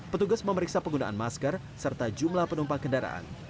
petugas memeriksa penggunaan masker serta jumlah penumpang kendaraan